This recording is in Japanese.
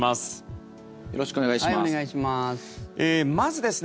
よろしくお願いします。